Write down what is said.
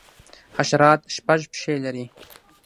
حشرات شپږ پښې لري